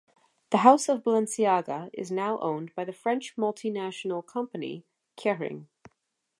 The House of Balenciaga is now owned by the French multinational company Kering.